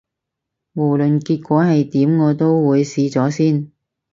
無論結果係點，我都會試咗先